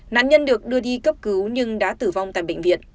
nạn nhân được đưa đi cấp cứu nhưng đã tử vong tại bệnh viện